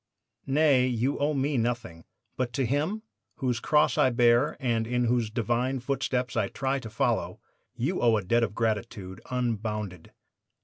"'Nay; you owe me nothing; but to Him, whose cross I bear and in whose Divine footsteps I try to follow, you owe a debt of gratitude unbounded.